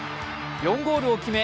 ４ゴールを決め